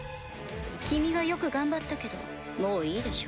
君はよく頑張ったけどもういいでしょう？